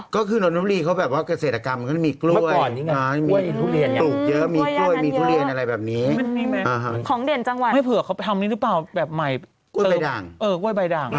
ก็คือนบุรีเขาแบบว่าเกษตรกรรมมันก็จะมีกล้วย